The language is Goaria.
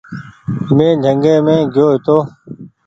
مينٚ جنگي مينٚ گيو هيتو